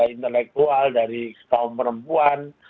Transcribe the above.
intelektual dari kaum perempuan